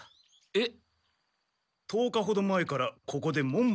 えっ？